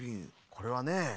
これはね